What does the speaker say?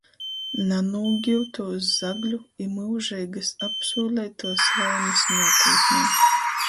Nanūgiutūs zagļu i myužeigys apsūleituos laimis nuokūtnē.